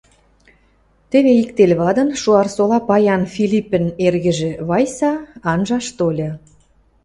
Теве ик тел вадын Шуарсола паян Филиппӹн эргӹжӹ, Вайса, анжаш тольы.